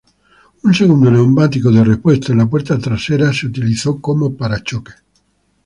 Un segundo neumático de repuesto en la parte trasera se utilizó como un parachoques.